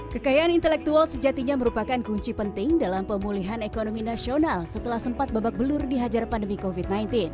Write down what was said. kekayaan intelektual sejatinya merupakan kunci penting dalam pemulihan ekonomi nasional setelah sempat babak belur dihajar pandemi covid sembilan belas